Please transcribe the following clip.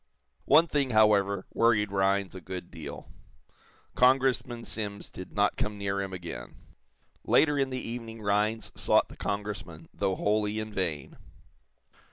One thing, however, worried Rhinds a good deal. Congressman Simms did not come near him again. Later in the evening Rhinds sought the Congressman, though wholly in vain.